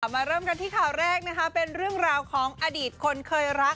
มาเริ่มกันที่ข่าวแรกนะคะเป็นเรื่องราวของอดีตคนเคยรัก